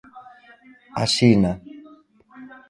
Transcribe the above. Asina.